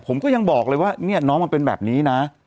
ผมก็ยังบอกเลยว่าเนี่ยน้องมันเป็นแบบนี้นะ